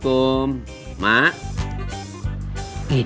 kamu kesini mau ngomongin apa